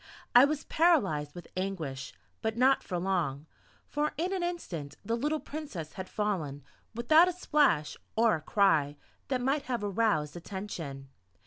I was paralyzed with anguish, but not for long; for in an instant the little Princess had fallen, without a splash, or a cry that might have aroused attention.